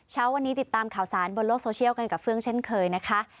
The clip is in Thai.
เช้าวันนี้ติดตามข่าวสารบนโลกโซเชียลกันกับเฟื่องเช่นเคยนะคะ